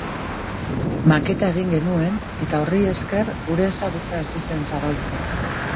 Maketa egin genuen eta horri esker gure ezagutza hasi zen zabaltzen.